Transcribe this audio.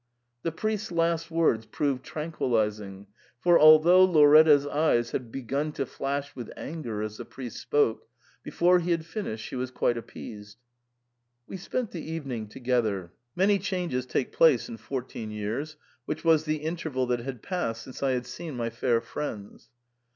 The priest's last words proved tranquillising, for, although Lauretta's eyes had begun to flash with anger as the priest spoke, before he had finished she was quite appeased. We spent the evening together. Many changes take place in fourteen years, which was the interval that had passed since I had seen my fair friends.